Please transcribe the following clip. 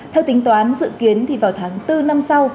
theo tính toán dự kiến thì vào tháng bốn năm sau